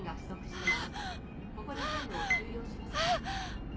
あっ！